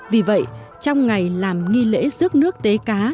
vì vậy trong ngày làm nghi lễ rước nước tế cá